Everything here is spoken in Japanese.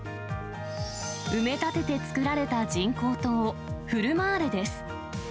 埋め立てて造られた人工島、フルマーレです。